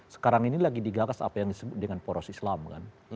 sekarang ini lagi digagas apa yang disebut dengan poros islam kan